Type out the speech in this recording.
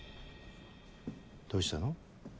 どうしたの？